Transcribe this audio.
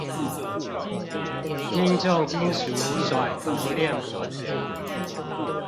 聽重金屬甩頭練脖子